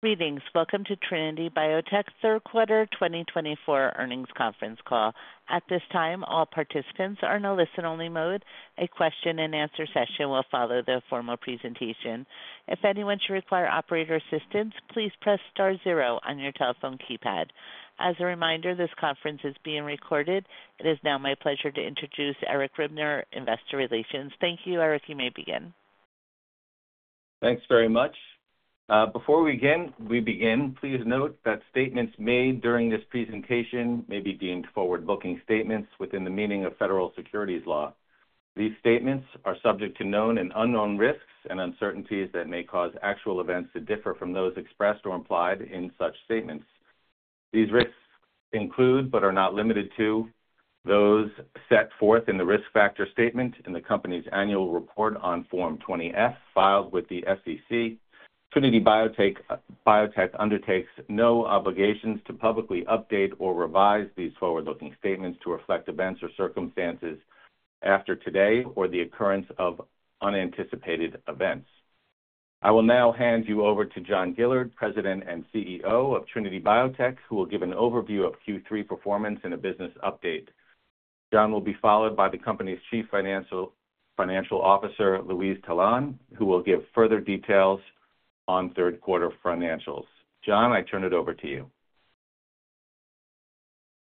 Greetings. Welcome to Trinity Biotech's third quarter 2024 earnings conference call. At this time, all participants are in a listen-only mode. A question-and-answer session will follow the formal presentation. If anyone should require operator assistance, please press star zero on your telephone keypad. As a reminder, this conference is being recorded. It is now my pleasure to introduce Eric Ribner, Investor Relations. Thank you, Eric. You may begin. Thanks very much. Before we begin, please note that statements made during this presentation may be deemed forward-looking statements within the meaning of federal securities law. These statements are subject to known and unknown risks and uncertainties that may cause actual events to differ from those expressed or implied in such statements. These risks include, but are not limited to, those set forth in the risk factor statement in the company's annual report on Form 20-F filed with the SEC. Trinity Biotech undertakes no obligations to publicly update or revise these forward-looking statements to reflect events or circumstances after today or the occurrence of unanticipated events. I will now hand you over to John Gillard, President and CEO of Trinity Biotech, who will give an overview of Q3 performance and a business update. John will be followed by the company's Chief Financial Officer, Louise Tallon, who will give further details on third quarter financials. John, I turn it over to you.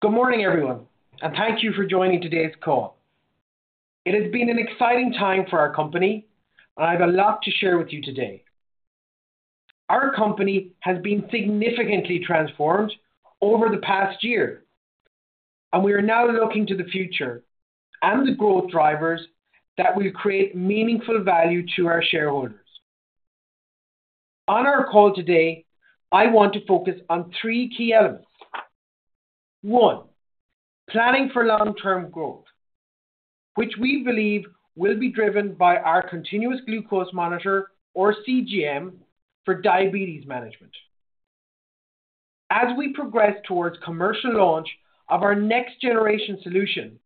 Good morning, everyone, and thank you for joining today's call. It has been an exciting time for our company, and I have a lot to share with you today. Our company has been significantly transformed over the past year, and we are now looking to the future and the growth drivers that will create meaningful value to our shareholders. On our call today, I want to focus on three key elements. One, planning for long-term growth, which we believe will be driven by our continuous glucose monitor, or CGM, for diabetes management. As we progress towards commercial launch of our next-generation solution,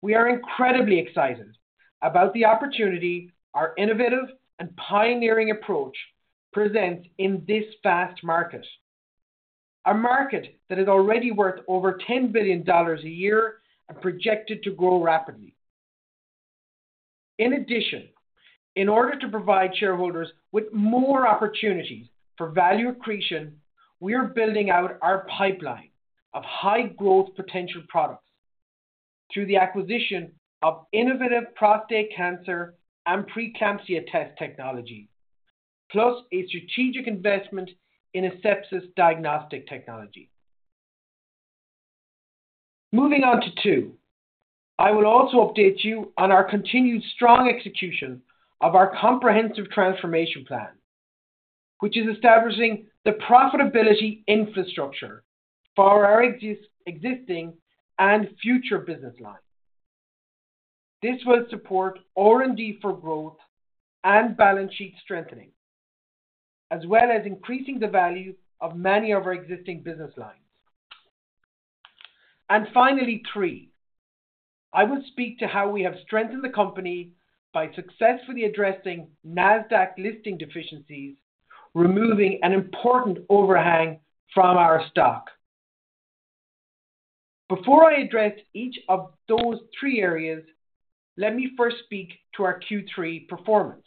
we are incredibly excited about the opportunity our innovative and pioneering approach presents in this fast market, a market that is already worth over $10 billion a year and projected to grow rapidly. In addition, in order to provide shareholders with more opportunities for value accretion, we are building out our pipeline of high-growth potential products through the acquisition of innovative prostate cancer and preeclampsia test technology, plus a strategic investment in a sepsis diagnostic technology. Moving on to two, I will also update you on our continued strong execution of our comprehensive transformation plan, which is establishing the profitability infrastructure for our existing and future business line. This will support R&D for growth and balance sheet strengthening, as well as increasing the value of many of our existing business lines. And finally, three, I will speak to how we have strengthened the company by successfully addressing NASDAQ listing deficiencies, removing an important overhang from our stock. Before I address each of those three areas, let me first speak to our Q3 performance.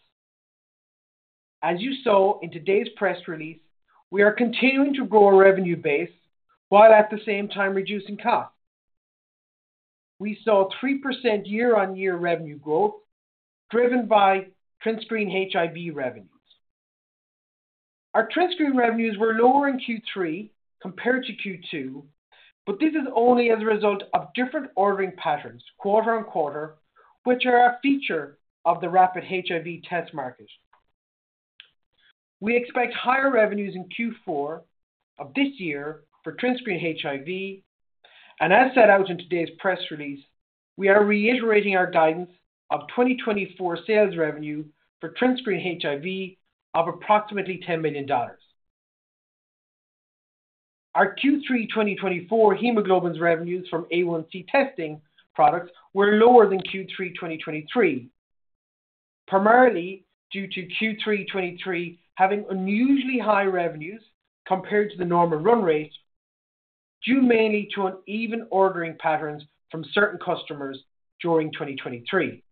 As you saw in today's press release, we are continuing to grow our revenue base while at the same time reducing costs. We saw 3% year-on-year revenue growth driven by TrinScreen HIV revenues. Our TrinScreen revenues were lower in Q3 compared to Q2, but this is only as a result of different ordering patterns quarter on quarter, which are a feature of the rapid HIV test market. We expect higher revenues in Q4 of this year for TrinScreen HIV, and as set out in today's press release, we are reiterating our guidance of 2024 sales revenue for TrinScreen HIV of approximately $10 million. Our Q3 2024 hemoglobins revenues from A1C testing products were lower than Q3 2023, primarily due to Q3 2023 having unusually high revenues compared to the normal run rates due mainly to uneven ordering patterns from certain customers during 2023.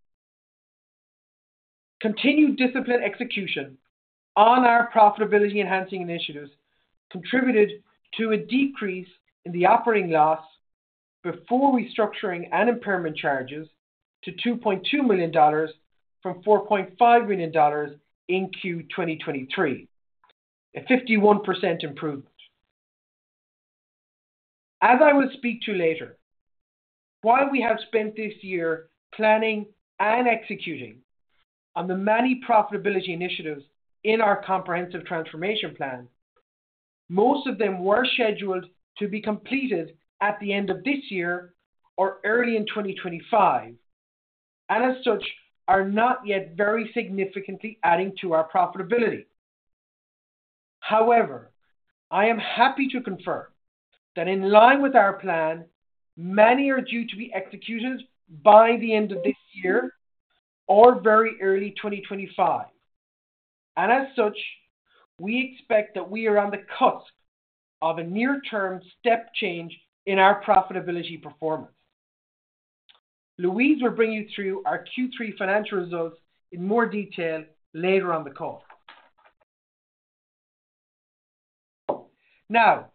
Continued disciplined execution on our profitability-enhancing initiatives contributed to a decrease in the operating loss before restructuring and impairment charges to $2.2 million from $4.5 million in Q2 2023, a 51% improvement. As I will speak to later, while we have spent this year planning and executing on the many profitability initiatives in our comprehensive transformation plan, most of them were scheduled to be completed at the end of this year or early in 2025, and as such, are not yet very significantly adding to our profitability. However, I am happy to confirm that in line with our plan, many are due to be executed by the end of this year or very early 2025, and as such, we expect that we are on the cusp of a near-term step change in our profitability performance. Louise will bring you through our Q3 financial results in more detail later on the call. Now,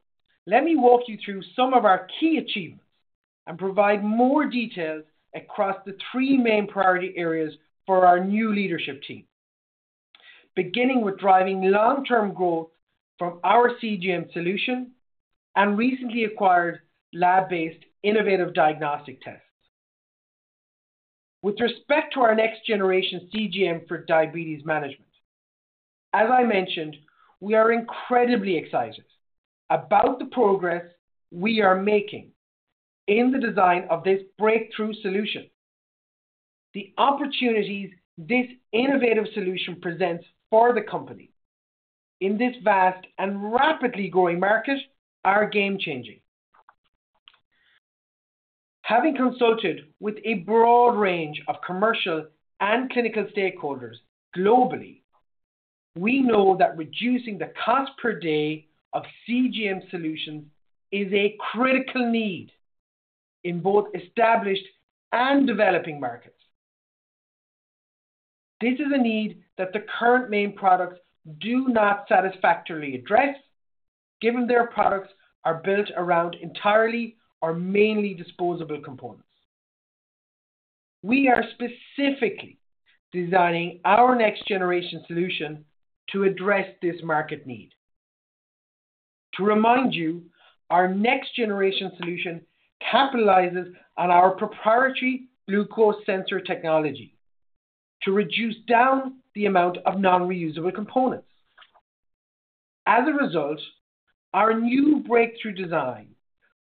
let me walk you through some of our key achievements and provide more details across the three main priority areas for our new leadership team, beginning with driving long-term growth from our CGM solution and recently acquired lab-based innovative diagnostic tests. With respect to our next-generation CGM for diabetes management, as I mentioned, we are incredibly excited about the progress we are making in the design of this breakthrough solution. The opportunities this innovative solution presents for the company in this vast and rapidly growing market are game-changing. Having consulted with a broad range of commercial and clinical stakeholders globally, we know that reducing the cost per day of CGM solutions is a critical need in both established and developing markets. This is a need that the current main products do not satisfactorily address, given their products are built around entirely or mainly disposable components. We are specifically designing our next-generation solution to address this market need. To remind you, our next-generation solution capitalizes on our proprietary glucose sensor technology to reduce down the amount of non-reusable components. As a result, our new breakthrough design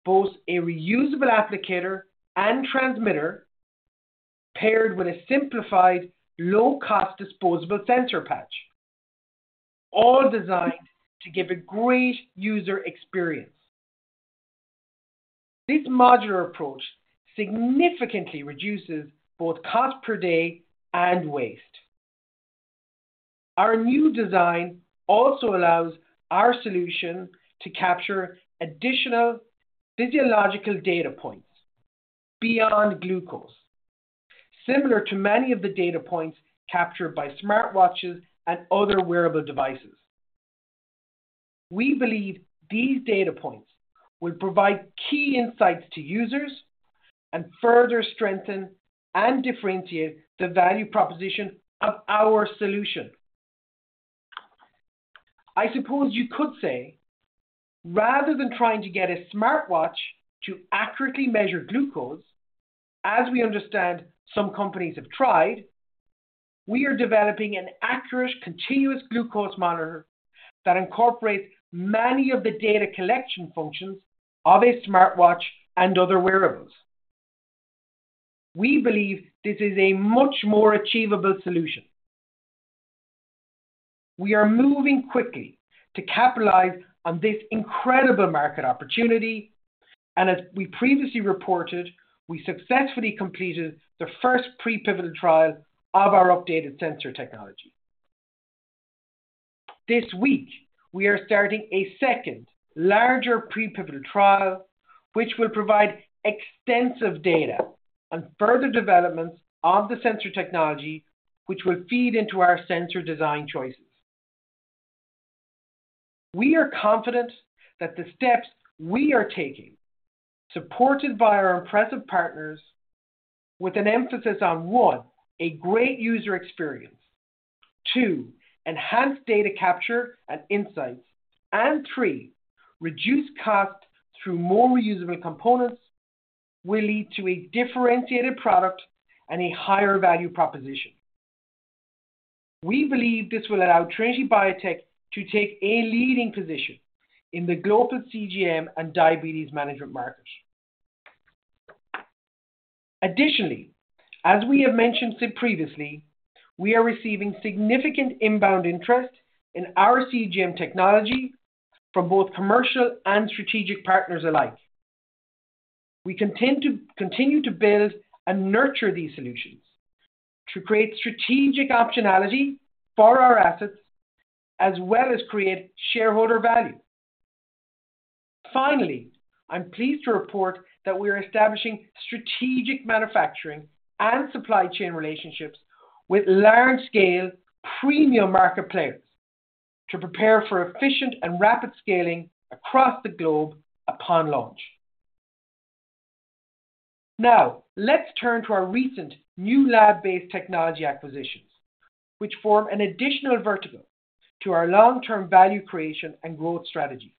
boasts a reusable applicator and transmitter paired with a simplified low-cost disposable sensor patch, all designed to give a great user experience. This modular approach significantly reduces both cost per day and waste. Our new design also allows our solution to capture additional physiological data points beyond glucose, similar to many of the data points captured by smartwatches and other wearable devices. We believe these data points will provide key insights to users and further strengthen and differentiate the value proposition of our solution. I suppose you could say, rather than trying to get a smartwatch to accurately measure glucose, as we understand some companies have tried, we are developing an accurate continuous glucose monitor that incorporates many of the data collection functions of a smartwatch and other wearables. We believe this is a much more achievable solution. We are moving quickly to capitalize on this incredible market opportunity, and as we previously reported, we successfully completed the first pre-pivotal trial of our updated sensor technology. This week, we are starting a second, larger pre-pivotal trial, which will provide extensive data on further developments of the sensor technology, which will feed into our sensor design choices. We are confident that the steps we are taking, supported by our impressive partners, with an emphasis on, one, a great user experience, two, enhanced data capture and insights, and three, reduced cost through more reusable components, will lead to a differentiated product and a higher value proposition. We believe this will allow Trinity Biotech to take a leading position in the global CGM and diabetes management market. Additionally, as we have mentioned previously, we are receiving significant inbound interest in our CGM technology from both commercial and strategic partners alike. We continue to build and nurture these solutions to create strategic optionality for our assets, as well as create shareholder value. Finally, I'm pleased to report that we are establishing strategic manufacturing and supply chain relationships with large-scale premium market players to prepare for efficient and rapid scaling across the globe upon launch. Now, let's turn to our recent new lab-based technology acquisitions, which form an additional vertical to our long-term value creation and growth strategy.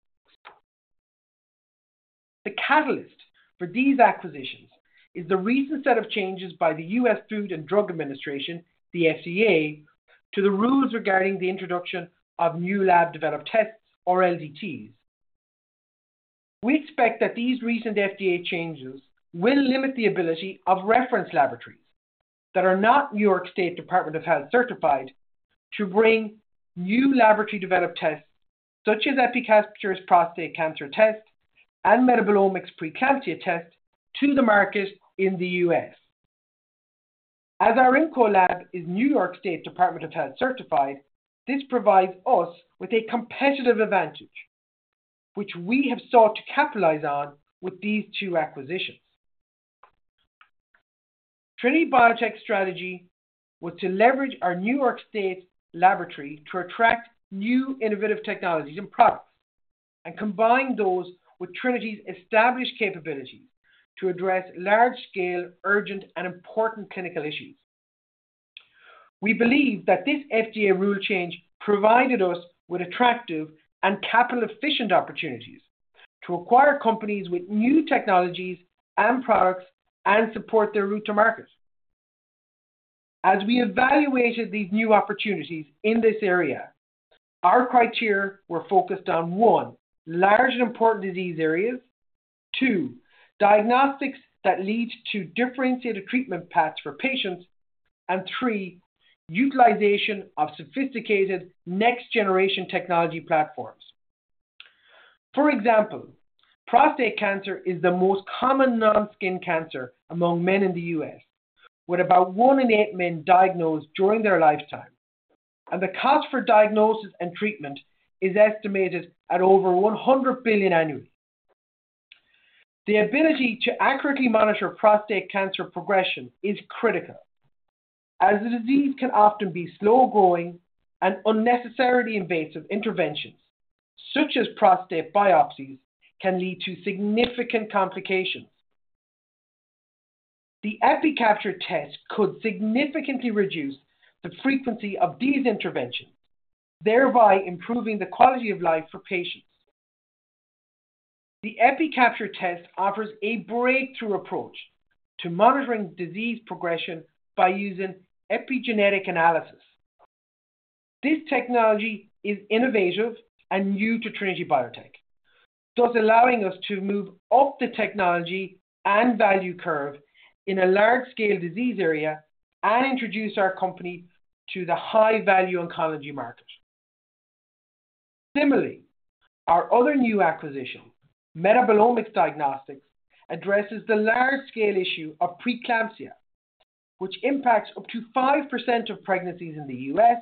The catalyst for these acquisitions is the recent set of changes by the U.S. Food and Drug Administration, the FDA, to the rules regarding the introduction of new lab-developed tests, or LDTs. We expect that these recent FDA changes will limit the ability of reference laboratories that are not New York State Department of Health certified to bring new laboratory-developed tests, such as EpiCapture prostate cancer test and metabolomics preeclampsia test, to the market in the U.S. As our InCo lab is New York State Department of Health certified, this provides us with a competitive advantage, which we have sought to capitalize on with these two acquisitions. Trinity Biotech's strategy was to leverage our New York State laboratory to attract new innovative technologies and products and combine those with Trinity's established capabilities to address large-scale, urgent, and important clinical issues. We believe that this FDA rule change provided us with attractive and capital-efficient opportunities to acquire companies with new technologies and products and support their route to market. As we evaluated these new opportunities in this area, our criteria were focused on, one, large and important disease areas, two, diagnostics that lead to differentiated treatment paths for patients, and three, utilization of sophisticated next-generation technology platforms. For example, prostate cancer is the most common non-skin cancer among men in the U.S., with about one in eight men diagnosed during their lifetime, and the cost for diagnosis and treatment is estimated at over $100 billion annually. The ability to accurately monitor prostate cancer progression is critical, as the disease can often be slow-growing, and unnecessarily invasive interventions, such as prostate biopsies, can lead to significant complications. The EpiCapture test could significantly reduce the frequency of these interventions, thereby improving the quality of life for patients. The EpiCapture test offers a breakthrough approach to monitoring disease progression by using epigenetic analysis. This technology is innovative and new to Trinity Biotech, thus allowing us to move up the technology and value curve in a large-scale disease area and introduce our company to the high-value oncology market. Similarly, our other new acquisition, Metabolomic Diagnostics, addresses the large-scale issue of preeclampsia, which impacts up to 5% of pregnancies in the U.S.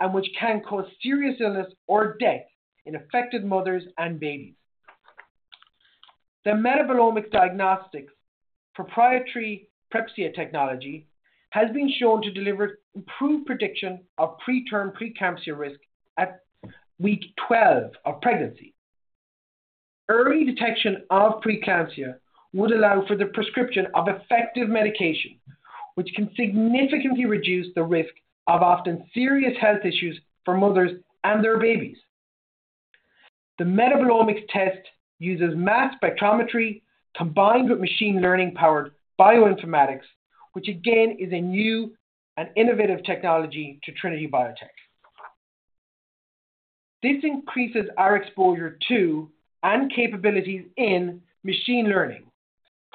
and which can cause serious illness or death in affected mothers and babies. The Metabolomic Diagnostics proprietary PrePsia technology has been shown to deliver improved prediction of preterm preeclampsia risk at week 12 of pregnancy. Early detection of preeclampsia would allow for the prescription of effective medication, which can significantly reduce the risk of often serious health issues for mothers and their babies. The metabolomics test uses mass spectrometry combined with machine learning-powered bioinformatics, which again is a new and innovative technology to Trinity Biotech. This increases our exposure to and capabilities in machine learning,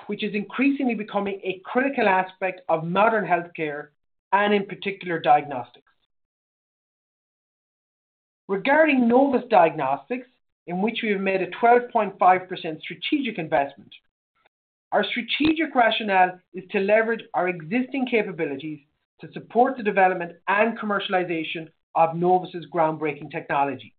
which is increasingly becoming a critical aspect of modern healthcare and, in particular, diagnostics. Regarding Novus Diagnostics, in which we have made a 12.5% strategic investment, our strategic rationale is to leverage our existing capabilities to support the development and commercialization of Novus's groundbreaking technology.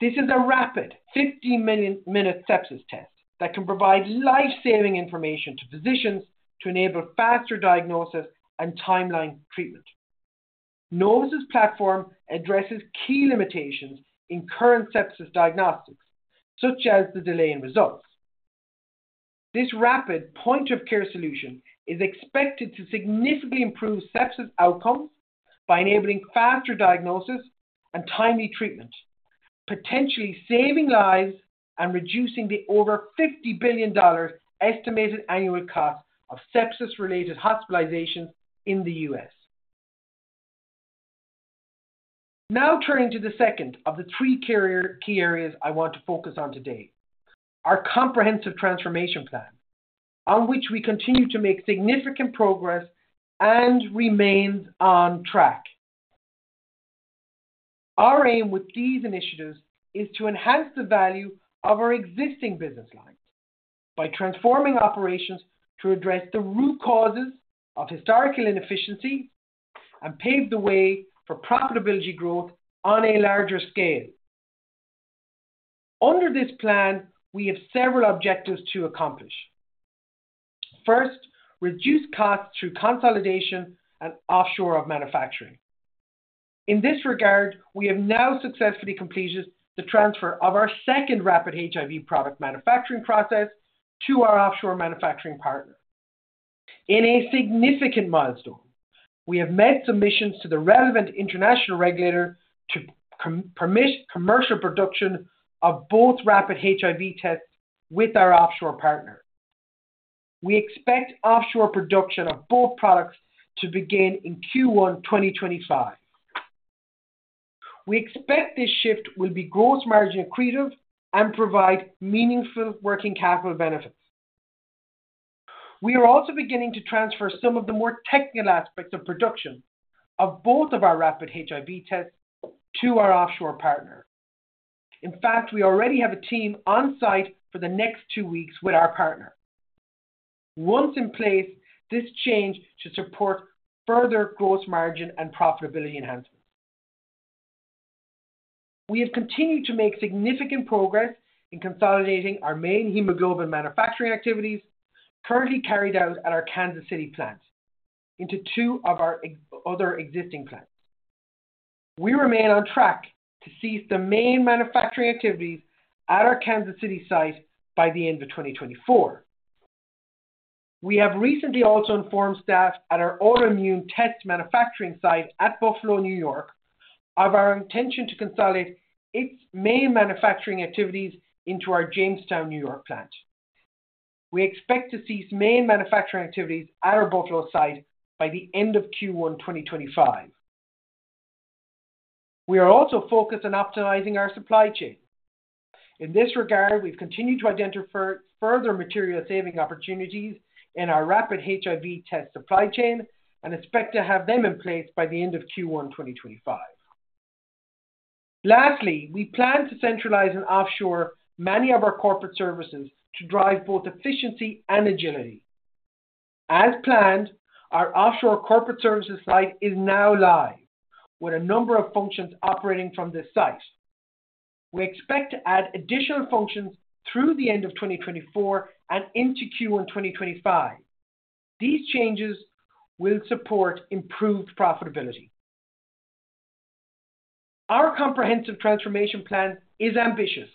This is a rapid 15-minute sepsis test that can provide lifesaving information to physicians to enable faster diagnosis and timely treatment. Novus's platform addresses key limitations in current sepsis diagnostics, such as the delay in results. This rapid point-of-care solution is expected to significantly improve sepsis outcomes by enabling faster diagnosis and timely treatment, potentially saving lives and reducing the over $50 billion estimated annual cost of sepsis-related hospitalizations in the U.S. Now turning to the second of the three key areas I want to focus on today, our comprehensive transformation plan, on which we continue to make significant progress and remain on track. Our aim with these initiatives is to enhance the value of our existing business lines by transforming operations to address the root causes of historical inefficiency and pave the way for profitability growth on a larger scale. Under this plan, we have several objectives to accomplish. First, reduce costs through consolidation and offshore manufacturing. In this regard, we have now successfully completed the transfer of our second rapid HIV product manufacturing process to our offshore manufacturing partner. In a significant milestone, we have made submissions to the relevant international regulator to permit commercial production of both rapid HIV tests with our offshore partner. We expect offshore production of both products to begin in Q1 2025. We expect this shift will be gross margin accretive and provide meaningful working capital benefits. We are also beginning to transfer some of the more technical aspects of production of both of our rapid HIV tests to our offshore partner. In fact, we already have a team on site for the next two weeks with our partner. Once in place, this change should support further gross margin and profitability enhancements. We have continued to make significant progress in consolidating our main hemoglobin manufacturing activities currently carried out at our Kansas City plant into two of our other existing plants. We remain on track to cease the main manufacturing activities at our Kansas City site by the end of 2024. We have recently also informed staff at our autoimmune test manufacturing site at Buffalo, New York, of our intention to consolidate its main manufacturing activities into our Jamestown, New York, plant. We expect to cease main manufacturing activities at our Buffalo site by the end of Q1 2025. We are also focused on optimizing our supply chain. In this regard, we've continued to identify further material-saving opportunities in our rapid HIV test supply chain and expect to have them in place by the end of Q1 2025. Lastly, we plan to centralize and offshore many of our corporate services to drive both efficiency and agility. As planned, our offshore corporate services site is now live, with a number of functions operating from this site. We expect to add additional functions through the end of 2024 and into Q1 2025. These changes will support improved profitability. Our comprehensive transformation plan is ambitious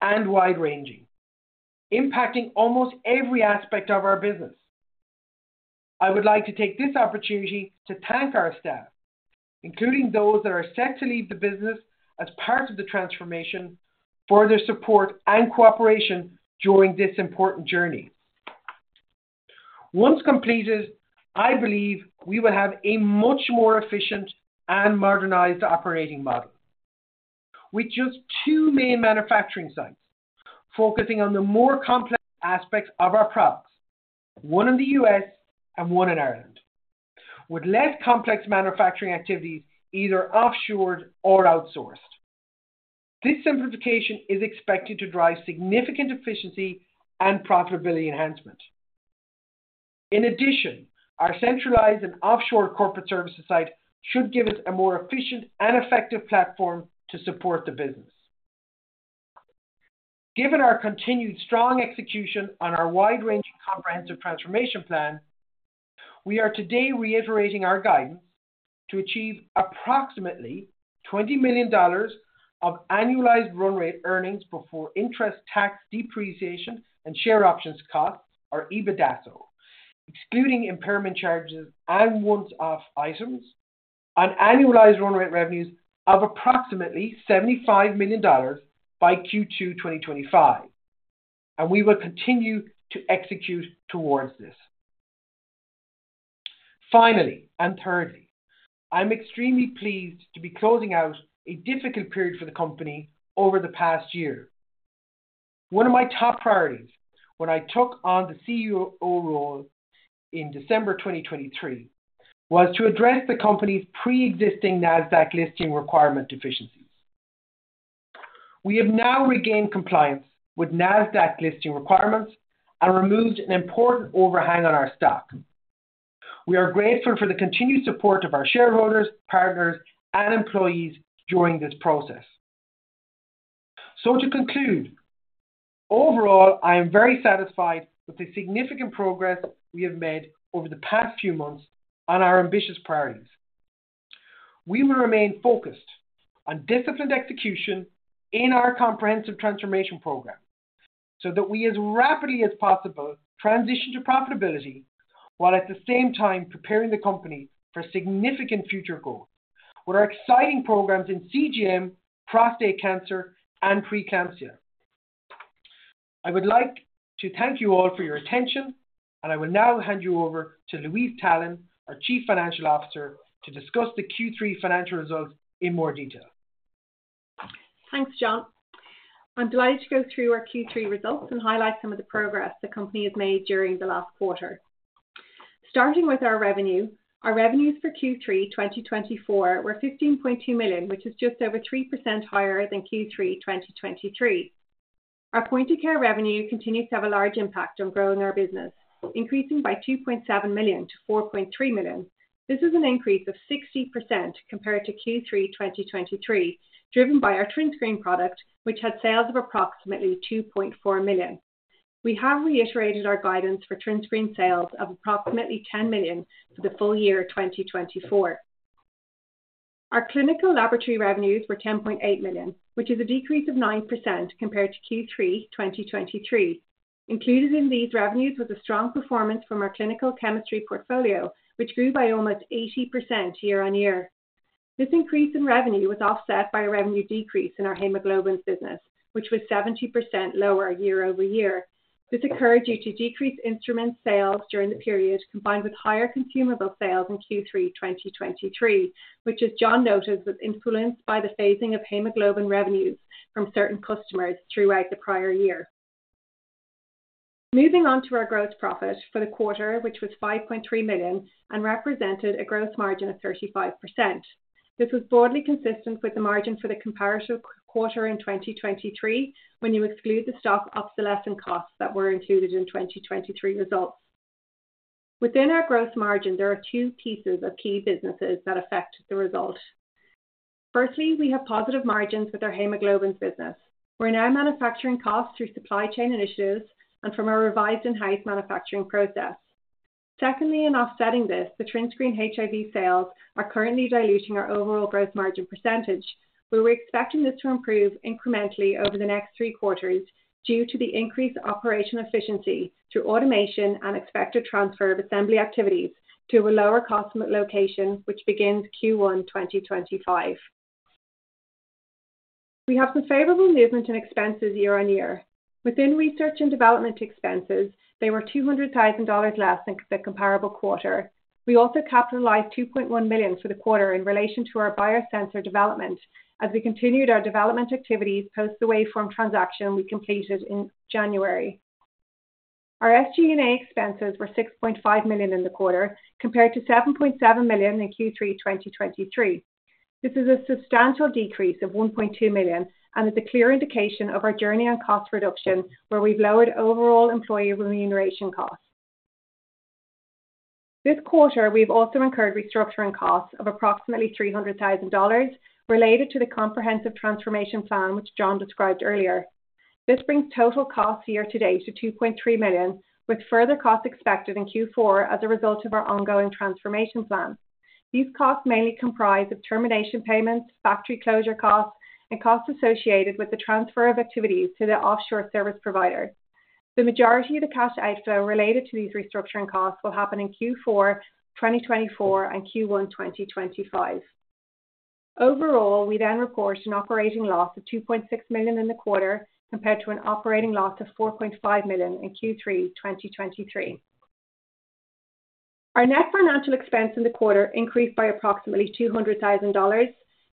and wide-ranging, impacting almost every aspect of our business. I would like to take this opportunity to thank our staff, including those that are set to leave the business as part of the transformation, for their support and cooperation during this important journey. Once completed, I believe we will have a much more efficient and modernized operating model. With just two main manufacturing sites focusing on the more complex aspects of our products, one in the U.S. and one in Ireland, with less complex manufacturing activities either offshored or outsourced, this simplification is expected to drive significant efficiency and profitability enhancement. In addition, our centralized and offshore corporate services site should give us a more efficient and effective platform to support the business. Given our continued strong execution on our wide-ranging comprehensive transformation plan, we are today reiterating our guidance to achieve approximately $20 million of annualized run rate earnings before interest, tax depreciation, and share options costs, or EBITDA, excluding impairment charges and once-off items, on annualized run rate revenues of approximately $75 million by Q2 2025, and we will continue to execute towards this. Finally and thirdly, I'm extremely pleased to be closing out a difficult period for the company over the past year. One of my top priorities when I took on the CEO role in December 2023 was to address the company's pre-existing NASDAQ listing requirement deficiencies. We have now regained compliance with NASDAQ listing requirements and removed an important overhang on our stock. We are grateful for the continued support of our shareholders, partners, and employees during this process. So, to conclude, overall, I am very satisfied with the significant progress we have made over the past few months on our ambitious priorities. We will remain focused on disciplined execution in our comprehensive transformation program so that we, as rapidly as possible, transition to profitability while at the same time preparing the company for significant future growth with our exciting programs in CGM, prostate cancer, and preeclampsia. I would like to thank you all for your attention, and I will now hand you over to Louise Tallon, our Chief Financial Officer, to discuss the Q3 financial results in more detail. Thanks, John. I'm delighted to go through our Q3 results and highlight some of the progress the company has made during the last quarter. Starting with our revenue, our revenues for Q3 2024 were $15.2 million, which is just over 3% higher than Q3 2023. Our point-of-care revenue continues to have a large impact on growing our business, increasing by $2.7 million to $4.3 million. This is an increase of 60% compared to Q3 2023, driven by our TrinScreen product, which had sales of approximately $2.4 million. We have reiterated our guidance for TrinScreen sales of approximately $10 million for the full year 2024. Our clinical laboratory revenues were $10.8 million, which is a decrease of 9% compared to Q3 2023. Included in these revenues was a strong performance from our clinical chemistry portfolio, which grew by almost 80% year on year. This increase in revenue was offset by a revenue decrease in our hemoglobin business, which was 70% lower year over year. This occurred due to decreased instrument sales during the period, combined with higher consumable sales in Q3 2023, which, as John noted, was influenced by the phasing of hemoglobin revenues from certain customers throughout the prior year. Moving on to our gross profit for the quarter, which was $5.3 million and represented a gross margin of 35%. This was broadly consistent with the margin for the comparative quarter in 2023 when you exclude the stock ups and downs and costs that were included in 2023 results. Within our gross margin, there are two pieces of key businesses that affect the result. Firstly, we have positive margins with our hemoglobin business. We're now manufacturing costs through supply chain initiatives and from a revised in-house manufacturing process. Secondly, in offsetting this, the TrinScreen HIV sales are currently diluting our overall gross margin percentage, where we're expecting this to improve incrementally over the next three quarters due to the increased operational efficiency through automation and expected transfer of assembly activities to a lower cost location, which begins Q1 2025. We have some favorable movement in expenses year on year. Within research and development expenses, they were $200,000 less than the comparable quarter. We also capitalized $2.1 million for the quarter in relation to our biosensor development as we continued our development activities post the Waveform transaction we completed in January. Our SG&A expenses were $6.5 million in the quarter compared to $7.7 million in Q3 2023. This is a substantial decrease of $1.2 million and is a clear indication of our journey on cost reduction, where we've lowered overall employee remuneration costs. This quarter, we've also incurred restructuring costs of approximately $300,000 related to the comprehensive transformation plan, which John described earlier. This brings total costs year to date to $2.3 million, with further costs expected in Q4 as a result of our ongoing transformation plan. These costs mainly comprise of termination payments, factory closure costs, and costs associated with the transfer of activities to the offshore service provider. The majority of the cash outflow related to these restructuring costs will happen in Q4 2024 and Q1 2025. Overall, we then report an operating loss of $2.6 million in the quarter compared to an operating loss of $4.5 million in Q3 2023. Our net financial expense in the quarter increased by approximately $200,000.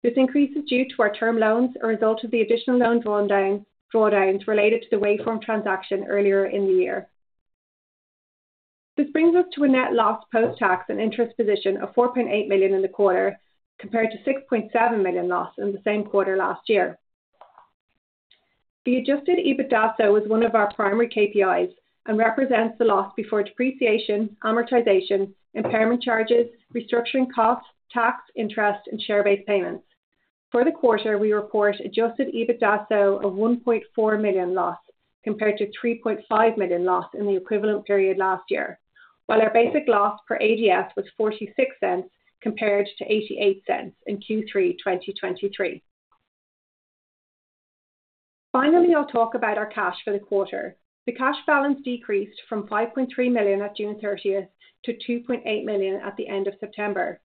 This increase is due to our term loans as a result of the additional loan drawdowns related to the Waveform transaction earlier in the year. This brings us to a net loss post-tax and interest position of $4.8 million in the quarter compared to $6.7 million loss in the same quarter last year. The adjusted EBITDA was one of our primary KPIs and represents the loss before depreciation, amortization, impairment charges, restructuring costs, tax, interest, and share-based payments. For the quarter, we report adjusted EBITDA of $1.4 million loss compared to $3.5 million loss in the equivalent period last year, while our basic loss per ADS was $0.46 compared to $0.88 in Q3 2023. Finally, I'll talk about our cash for the quarter. The cash balance decreased from $5.3 million at June 30 to $2.8 million at the end of September.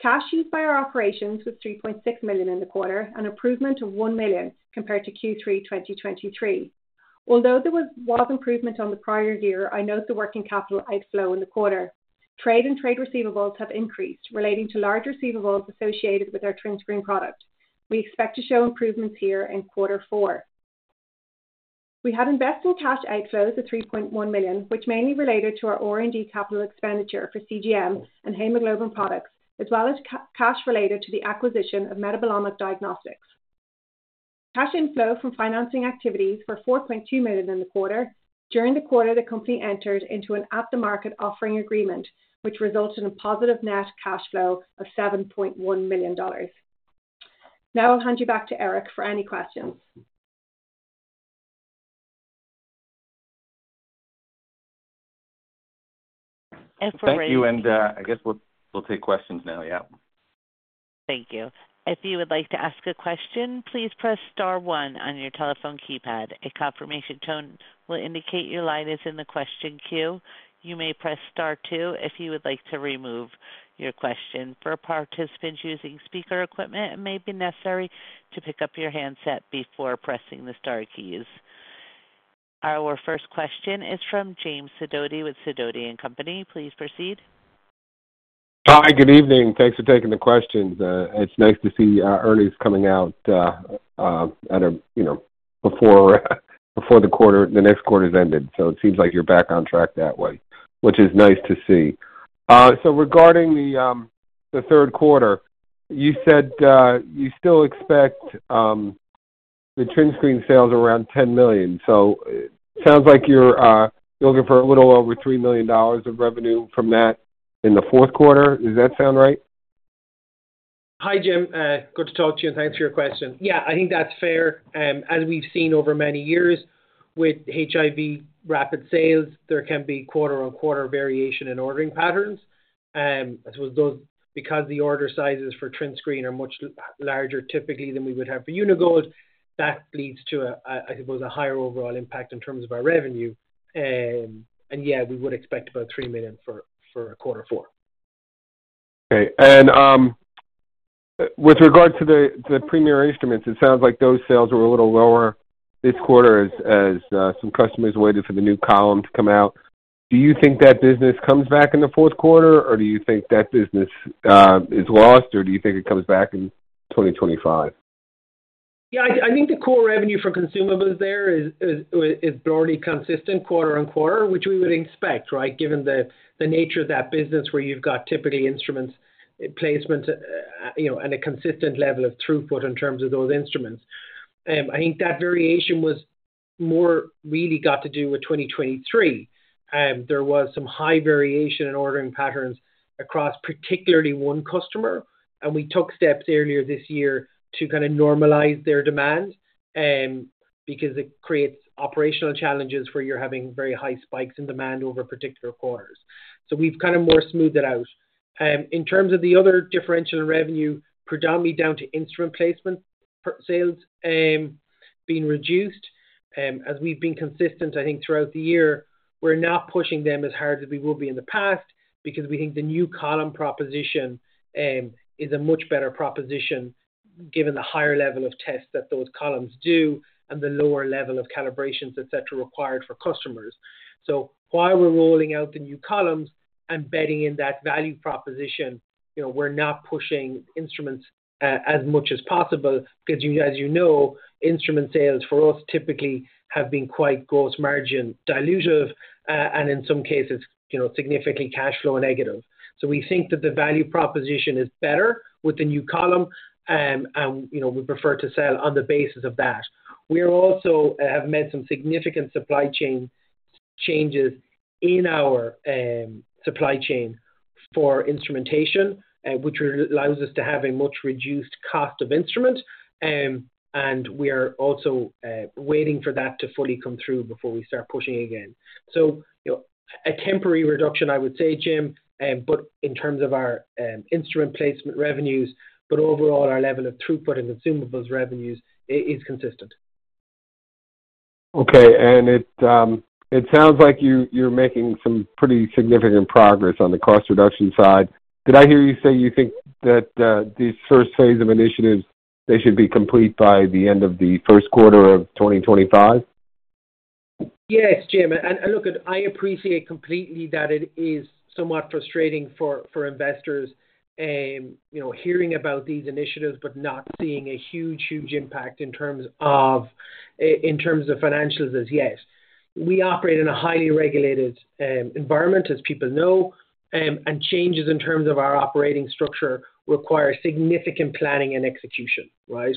Cash used by our operations was $3.6 million in the quarter, an improvement of $1 million compared to Q3 2023. Although there was improvement on the prior year, I note the working capital outflow in the quarter. Trade and trade receivables have increased relating to large receivables associated with our TrinScreen product. We expect to show improvements here in quarter four. We had investing cash outflows of $3.1 million, which mainly related to our R&D capital expenditure for CGM and hemoglobin products, as well as cash related to the acquisition of Metabolomic Diagnostics. Cash inflow from financing activities were $4.2 million in the quarter. During the quarter, the company entered into an at-the-market offering agreement, which resulted in a positive net cash flow of $7.1 million. Now I'll hand you back to Eric for any questions. Thank you. I guess we'll take questions now. Yeah. Thank you. If you would like to ask a question, please press Star 1 on your telephone keypad. A confirmation tone will indicate your line is in the question queue. You may press Star 2 if you would like to remove your question. For participants using speaker equipment, it may be necessary to pick up your handset before pressing the Star keys. Our first question is from James Sidoti with Sidoti & Company So it seems like you're back on track that way, which is nice to see. So regarding the third quarter, you said you still expect the TrinScreen sales around $10 million. So it sounds like you're looking for a little over $3 million of revenue from that in the fourth quarter. Does that sound right? Hi, Jim. Good to talk to you, and thanks for your question. Yeah, I think that's fair. As we've seen over many years with HIV rapid sales, there can be quarter-on-quarter variation in ordering patterns. I suppose those, because the order sizes for TrinScreen are much larger typically than we would have for Uni-Gold, that leads to, I suppose, a higher overall impact in terms of our revenue. And yeah, we would expect about $3 million for a quarter four. Okay. And with regard to the Premier instruments, it sounds like those sales were a little lower this quarter as some customers waited for the new column to come out. Do you think that business comes back in the fourth quarter, or do you think that business is lost, or do you think it comes back in 2025? Yeah, I think the core revenue for consumables there is broadly consistent quarter on quarter, which we would expect, right, given the nature of that business where you've got typically instruments placement and a consistent level of throughput in terms of those instruments. I think that variation was more really got to do with 2023. There was some high variation in ordering patterns across particularly one customer, and we took steps earlier this year to kind of normalize their demand because it creates operational challenges where you're having very high spikes in demand over particular quarters. So we've kind of more smoothed it out. In terms of the other differential revenue, predominantly down to instrument placement sales being reduced. As we've been consistent, I think, throughout the year, we're not pushing them as hard as we will be in the past because we think the new column proposition is a much better proposition given the higher level of tests that those columns do and the lower level of calibrations, etc., required for customers. So while we're rolling out the new columns and betting on that value proposition, we're not pushing instruments as much as possible because, as you know, instrument sales for us typically have been quite gross margin dilutive and, in some cases, significantly cash flow negative. So we think that the value proposition is better with the new column, and we prefer to sell on the basis of that. We also have made some significant supply chain changes in our supply chain for instrumentation, which allows us to have a much reduced cost of instrument, and we are also waiting for that to fully come through before we start pushing again. So a temporary reduction, I would say, Jim, but in terms of our instrument placement revenues, but overall our level of throughput and consumables revenues is consistent. Okay. And it sounds like you're making some pretty significant progress on the cost reduction side. Did I hear you say you think that these first phase of initiatives, they should be complete by the end of the first quarter of 2025? Yes, Jim. And look, I appreciate completely that it is somewhat frustrating for investors hearing about these initiatives but not seeing a huge, huge impact in terms of financials as yet. We operate in a highly regulated environment, as people know, and changes in terms of our operating structure require significant planning and execution, right?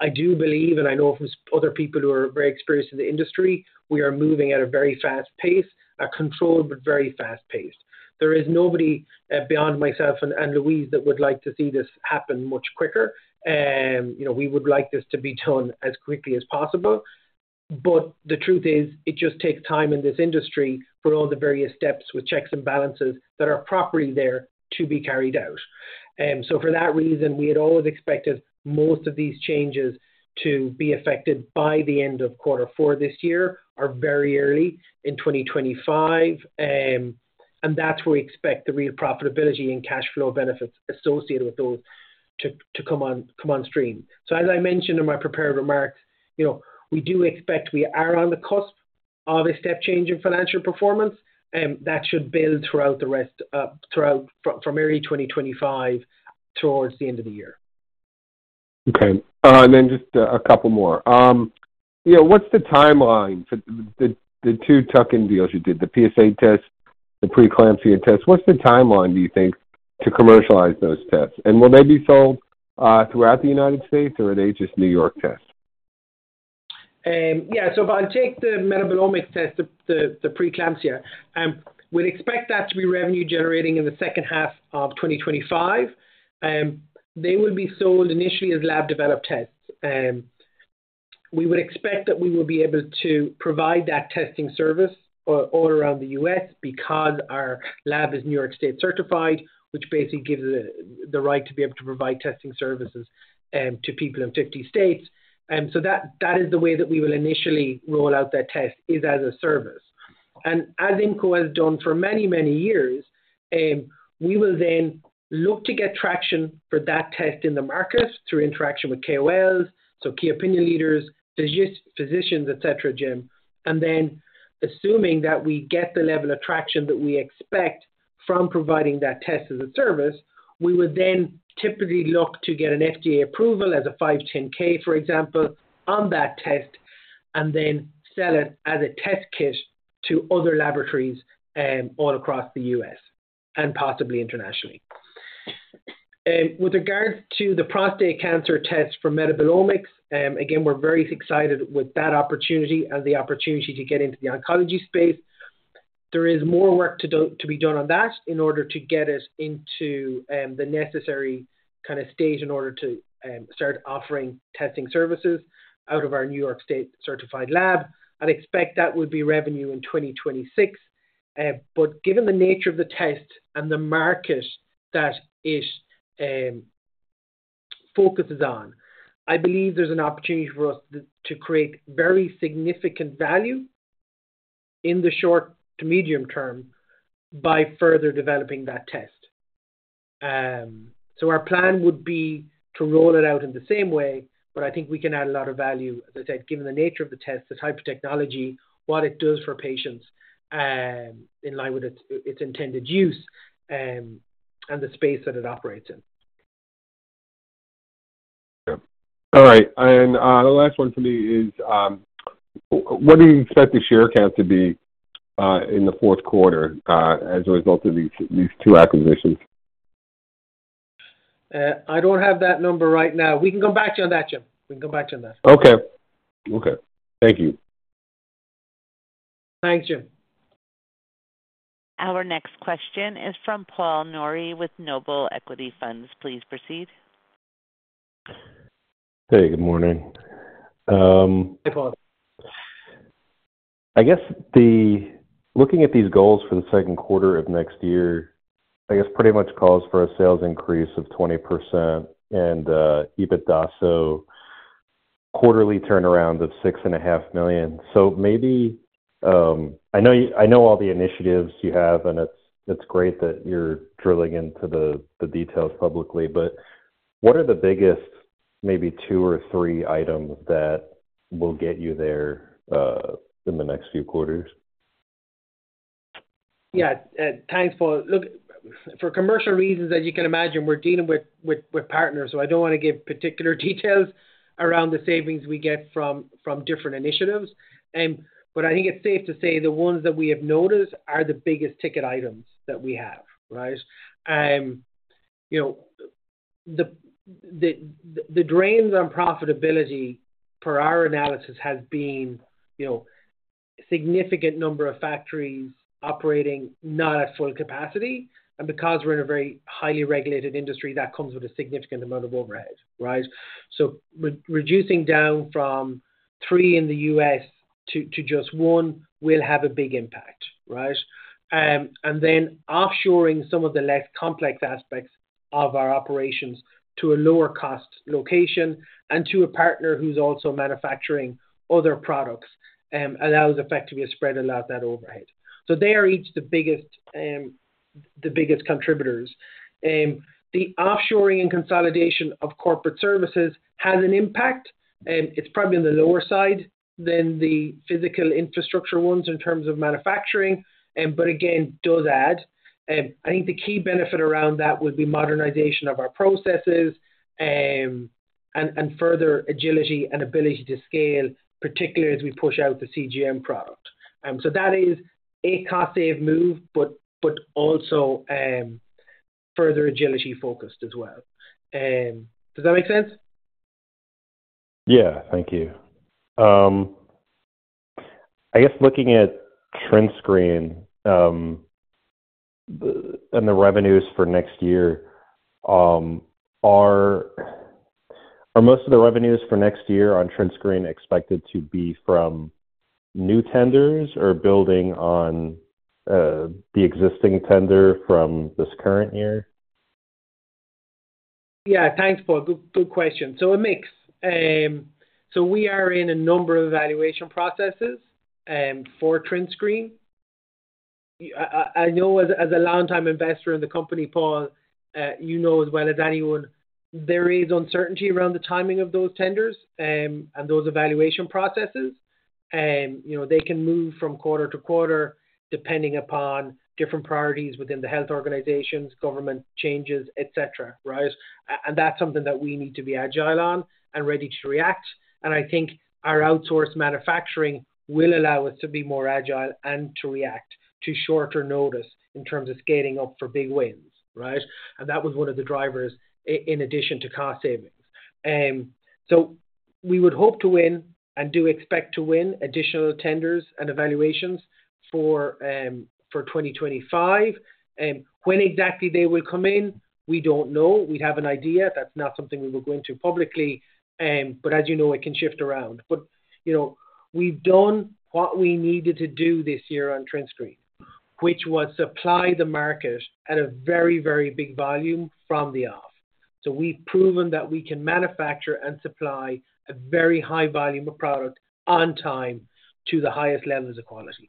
I do believe, and I know from other people who are very experienced in the industry, we are moving at a very fast pace, a controlled but very fast pace. There is nobody beyond myself and Louise that would like to see this happen much quicker. We would like this to be done as quickly as possible. But the truth is, it just takes time in this industry for all the various steps with checks and balances that are properly there to be carried out. So for that reason, we had always expected most of these changes to be effected by the end of quarter four this year, or very early in 2025, and that's where we expect the real profitability and cash flow benefits associated with those to come on stream. So, as I mentioned in my prepared remarks, we do expect we are on the cusp of a step change in financial performance that should build throughout the rest from early 2025 towards the end of the year. Okay. And then just a couple more. What's the timeline for the two tuck-in deals you did, the PSA test, the preeclampsia test? What's the timeline, do you think, to commercialize those tests? And will they be sold throughout the United States, or are they just New York tests? Yeah. So if I take the metabolomic test, the PrePsia test, we'd expect that to be revenue-generating in the second half of 2025. They will be sold initially as lab-developed tests. We would expect that we will be able to provide that testing service all around the U.S. because our lab is New York State certified, which basically gives the right to be able to provide testing services to people in 50 states. So that is the way that we will initially roll out that test is as a service. And as Immco has done for many, many years, we will then look to get traction for that test in the market through interaction with KOLs, so key opinion leaders, physicians, etc., Jim. Assuming that we get the level of traction that we expect from providing that test as a service, we would then typically look to get an FDA approval as a 510(k), for example, on that test and then sell it as a test kit to other laboratories all across the U.S. and possibly internationally. With regards to the prostate cancer test for metabolomics, again, we're very excited with that opportunity and the opportunity to get into the oncology space. There is more work to be done on that in order to get it into the necessary kind of stage in order to start offering testing services out of our New York State certified lab. I'd expect that would be revenue in 2026. But given the nature of the test and the market that it focuses on, I believe there's an opportunity for us to create very significant value in the short to medium term by further developing that test. So our plan would be to roll it out in the same way, but I think we can add a lot of value, as I said, given the nature of the test, the type of technology, what it does for patients in line with its intended use, and the space that it operates in. Okay. All right. And the last one for me is, what do you expect the share count to be in the fourth quarter as a result of these two acquisitions? I don't have that number right now. We can come back to you on that, Jim. We can come back to you on that. Okay. Okay. Thank you. Thanks, Jim. Our next question is from Paul Nouri with Noble Capital Markets. Please proceed. Hey, good morning. Hi, Paul. I guess looking at these goals for the second quarter of next year, I guess pretty much calls for a sales increase of 20% and EBITDA quarterly turnaround of $6.5 million. So maybe I know all the initiatives you have, and it's great that you're drilling into the details publicly, but what are the biggest maybe two or three items that will get you there in the next few quarters? Yeah. Thanks, Paul. Look, for commercial reasons that you can imagine, we're dealing with partners, so I don't want to give particular details around the savings we get from different initiatives. But I think it's safe to say the ones that we have noticed are the biggest ticket items that we have, right? The drains on profitability per our analysis has been a significant number of factories operating not at full capacity, and because we're in a very highly regulated industry, that comes with a significant amount of overhead, right? Reducing down from three in the U.S. to just one will have a big impact, right? Offshoring some of the less complex aspects of our operations to a lower-cost location and to a partner who's also manufacturing other products allows effectively to spread a lot of that overhead, so they are each the biggest contributors. The offshoring and consolidation of corporate services has an impact. It's probably on the lower side than the physical infrastructure ones in terms of manufacturing, but again, does add. I think the key benefit around that would be modernization of our processes and further agility and ability to scale, particularly as we push out the CGM product. So that is a cost-saving move, but also further agility focused as well. Does that make sense? Yeah. Thank you. I guess looking at TrinScreen and the revenues for next year, are most of the revenues for next year on TrinScreen expected to be from new tenders or building on the existing tender from this current year? Yeah. Thanks, Paul. Good question. So a mix. So we are in a number of evaluation processes for TrinScreen. I know as a long-time investor in the company, Paul, you know as well as anyone, there is uncertainty around the timing of those tenders and those evaluation processes. They can move from quarter to quarter depending upon different priorities within the health organizations, government changes, etc., right, and that's something that we need to be agile on and ready to react. And I think our outsourced manufacturing will allow us to be more agile and to react to shorter notice in terms of scaling up for big wins, right, and that was one of the drivers in addition to cost savings, so we would hope to win and do expect to win additional tenders and evaluations for 2025. When exactly they will come in, we don't know. We have an idea. That's not something we will go into publicly, but as you know, it can shift around, but we've done what we needed to do this year on TrinScreen, which was supply the market at a very, very big volume from the off. So we've proven that we can manufacture and supply a very high volume of product on time to the highest levels of quality.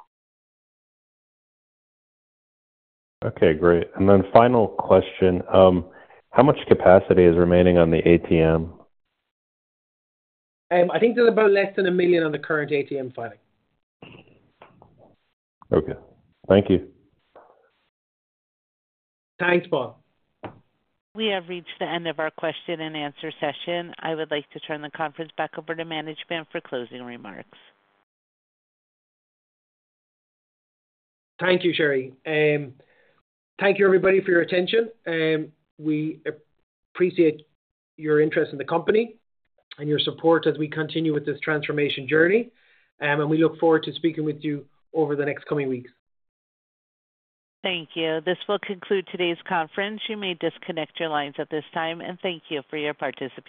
Okay. Great. And then final question. How much capacity is remaining on the ATM? I think there's about less than $1 million on the current ATM filing. Okay. Thank you. Thanks, Paul. We have reached the end of our question and answer session. I would like to turn the conference back over to management for closing remarks. Thank you, Sherry. Thank you, everybody, for your attention. We appreciate your interest in the company and your support as we continue with this transformation journey. And we look forward to speaking with you over the next coming weeks. Thank you. This will conclude today's conference. You may disconnect your lines at this time. And thank you for your participation.